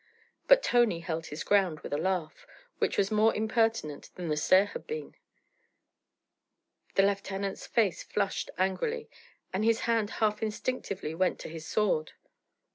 But Tony held his ground with a laugh which was more impertinent than the stare had been. The lieutenant's face flushed angrily, and his hand half instinctively went to his sword.